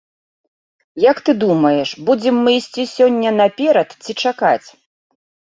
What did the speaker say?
Як ты думаеш, будзем мы ісці сёння наперад ці чакаць?